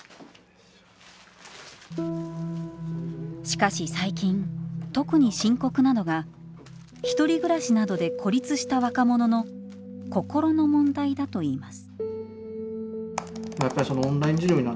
しかし最近特に深刻なのが一人暮らしなどで孤立した若者の心の問題だといいます。